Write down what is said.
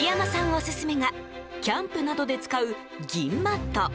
オススメがキャンプなどで使う銀マット。